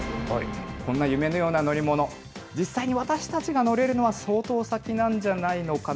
こんな夢のような乗り物、実際に私たちが乗れるのは相当先なんじゃないのかな。